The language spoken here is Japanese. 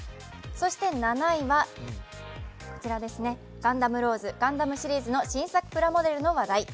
そして７位は、ガンダムローズ、ガンダムシリーズの新作プラモデルの話題。